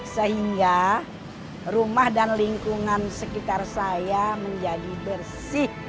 sehingga rumah dan lingkungan sekitar saya menjadi bersih